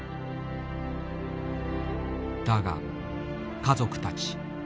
だが家族たち。